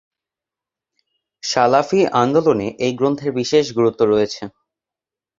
সালাফি আন্দোলনে এই গ্রন্থের বিশেষ গুরুত্ব রয়েছে।